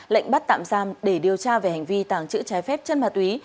lệnh bắt tạm giam để điều tra về hành vi tàng trữ trái phép chân ma túy